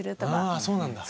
あそうなんだ。